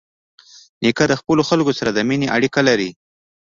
نیکه د خپلو خلکو سره د مینې اړیکه لري.